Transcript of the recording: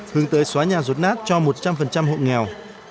hướng tới xóa nhà rốt nát cho một trăm linh hộ nghèo